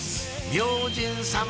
明神様